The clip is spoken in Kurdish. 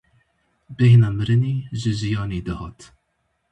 Bêhna mirinê ji jiyanê dihat.